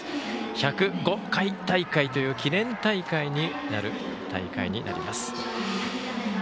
１０５回大会という記念大会になります。